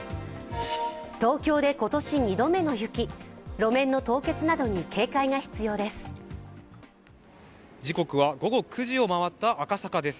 東京で今年２度目の雪、路面の凍結などに警戒が必要です。